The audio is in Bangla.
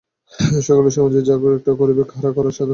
সকল সমাজই একটা যা তা করিয়া খাড়া করা সাধারণ নিয়মের উপর প্রতিষ্ঠিত।